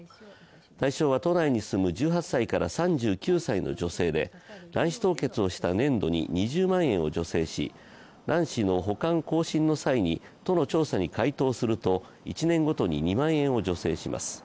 対象は都内に住む１８歳から３９歳の女性で、卵子凍結をした年度に２０万円を助成し卵子の保管更新の際に都の調査に回答すると１年ごとに２万円を助成します。